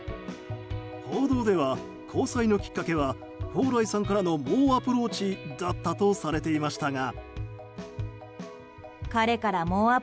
報道では、交際のきっかけは蓬莱さんからの猛アプローチだったとされていましたが。